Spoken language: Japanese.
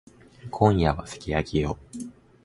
今夜はすき焼きよ。